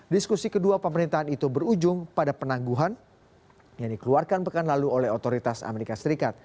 diskusi kedua pemerintahan itu berujung pada penangguhan yang dikeluarkan pekan lalu oleh otoritas amerika serikat